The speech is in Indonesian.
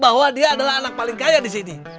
bahwa dia adalah anak paling kaya di sini